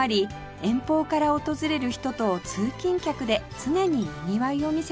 遠方から訪れる人と通勤客で常ににぎわいを見せています